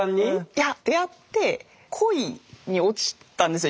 いや出会って恋に落ちたんですよ